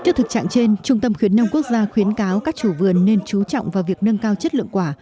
trước thực trạng trên trung tâm khuyến nông quốc gia khuyến cáo các chủ vườn nên chú trọng vào việc nâng cao chất lượng quả